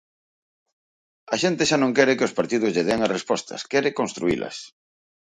A xente xa non quere que os partidos lle dean as respostas, quere construílas.